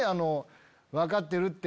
「分かってるって！